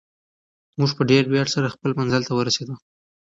موږ په ډېر ویاړ سره خپل منزل ته ورسېدو.